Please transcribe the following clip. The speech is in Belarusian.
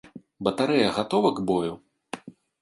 Батарэя гатова к бою?